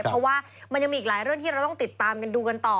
เพราะว่ามันยังมีอีกหลายเรื่องที่เราต้องติดตามกันดูกันต่อ